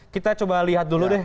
kita coba lihat dulu deh